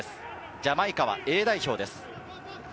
ジャマイカはＡ代表です。